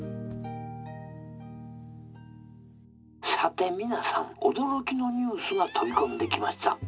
「さて皆さん驚きのニュースが飛び込んできました」。